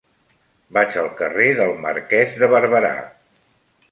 Vaig al carrer del Marquès de Barberà.